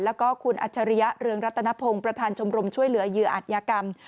แล้วก็คุณอัจฉริยะเรืองรัตนพงศ์ประธานชมรมช่วยเหลือเหยื่ออาจยากรรม